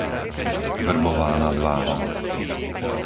Vrbová nad Váhom